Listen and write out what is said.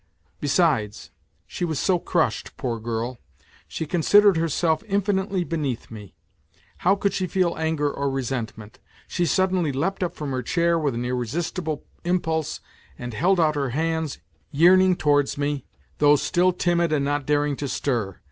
Besides, she was so crushed, poor girl; she considered herself infinitely beneath me ; how could she feel anger or resentment ? She suddenly leapt up from her chair with an irresistible impulse and held out her hands, yearning towards me, though still timid and not daring to stir.